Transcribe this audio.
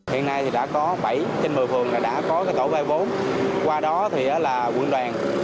hiện nay thì đã có bảy trên một mươi phường đã có tổ vai vốn qua đó thì là quận đoàn